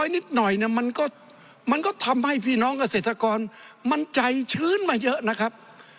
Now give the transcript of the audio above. ๑๐๐นิดหน่อยมันก็ทำให้พี่น้องเศรษฐกรมันใจชื้นมาเยอะนะครับ